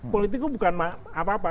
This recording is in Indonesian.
politik itu bukan apa apa